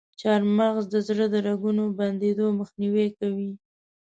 چارمغز د زړه د رګونو بندیدو مخنیوی کوي.